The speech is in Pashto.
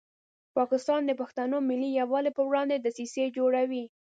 پاکستان د پښتنو ملي یووالي په وړاندې دسیسې جوړوي.